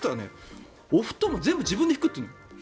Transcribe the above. お布団も全部自分で敷くっていうの。